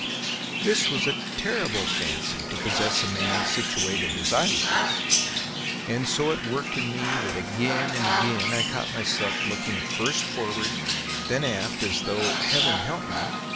This was a terrible fancy to possess a man situated as I was, and it so worked in me that again and again I caught myself looking first forward, then aft, as though, Heaven help me!